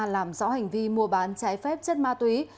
làm rõ hành vi mua bán trái phép chất ma túy